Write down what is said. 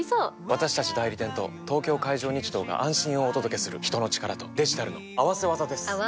私たち代理店と東京海上日動が安心をお届けする人の力とデジタルの合わせ技です！